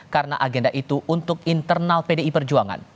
karena agenda itu untuk internal pdi perjuangan